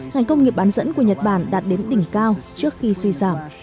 ngành công nghiệp bán dẫn của nhật bản đạt đến đỉnh cao trước khi suy giảm